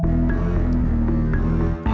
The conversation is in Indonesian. tidak berjalan lancar